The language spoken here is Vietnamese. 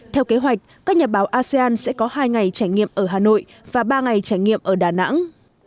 theo kế hoạch các nhà báo asean sẽ có hai ngày trải nghiệm ở hà nội và ba ngày trải nghiệm ở đà nẵng